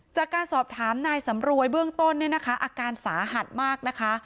จากการสอบถามนายสำรวยเบื้องต้นเนี่ยนะคะอาการสาหัสมากนะคะ